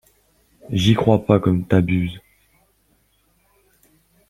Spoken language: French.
J'y crois pas comme t'abuses!